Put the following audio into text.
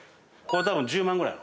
これで２００万ぐらい。